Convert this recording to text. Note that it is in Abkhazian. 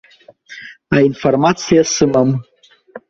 Аинформациа сымам.